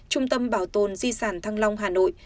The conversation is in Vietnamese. trung tâm bảo tồn di sản thăng long hà nội